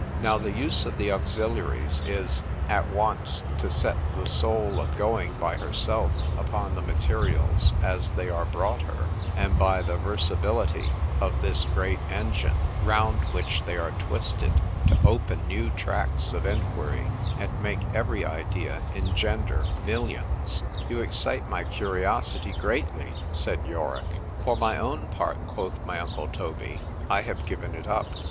Now the use of the Auxiliaries is, at once to set the soul a going by herself upon the materials as they are brought her; and by the versability of this great engine, round which they are twisted, to open new tracts of enquiry, and make every idea engender millions. You excite my curiosity greatly, said Yorick. For my own part, quoth my uncle Toby, I have given it up.